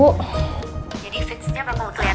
jadi fixnya berapa lagi